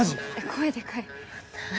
声でかい何？